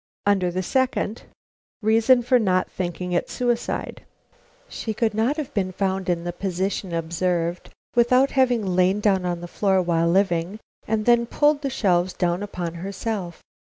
Under the second: Reason for not thinking it suicide. She could not have been found in the position observed without having lain down on the floor while living and then pulled the shelves down upon herself.